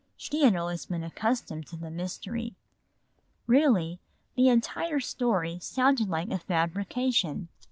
She had always been accustomed to the mystery. Really, the entire story sounded like a fabrication.